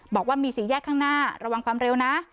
บอกว่ามีสี่แยกข้างหน้าระวังความเร็วนะ